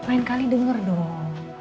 lain kali denger dong